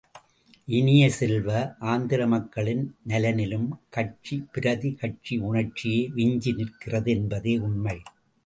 இனிய செல்வ, ஆந்திர மக்களின் நலனிலும், கட்சி பிரதி கட்சி உணர்ச்சியே விஞ்சி நிற்கிறது என்பதே உண்மை!